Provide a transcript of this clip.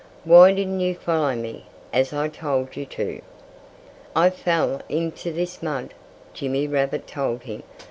"Why didn't you follow me, as I told you to?" "I fell into this mud," Jimmy Rabbit told him.